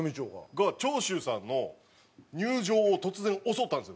が長州さんの入場を突然襲ったんですよ。